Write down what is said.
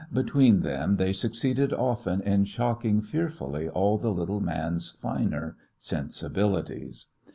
Between them they succeeded often in shocking fearfully all the little man's finer sensibilities.